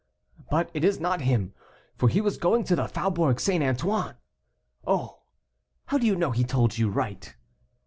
"But it is not him, for he was going to the Faubourg St. Antoine." "Oh! how do you know he told you right?"